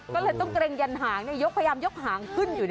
ก็เลยต้องเกรงยันหางยกพยายามยกหางขึ้นอยู่